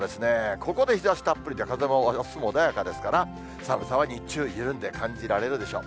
ここで日ざしたっぷりで、風も穏やかですから、寒さは日中、緩んで感じられるでしょう。